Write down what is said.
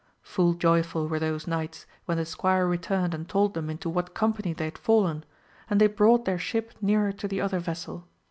Full joyful were those knights when the squire returned and told them into what company they had fallen, and they brought their ship nearer to the other vessel.